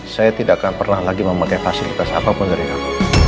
saya tidak akan pernah lagi memakai fasilitas apapun dari kamu